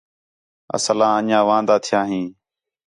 اصل آں انڄیاں واندا تھیاں ہیں